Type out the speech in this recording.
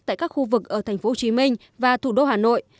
tại các khu vực ở tp hcm và thủ đô hà nội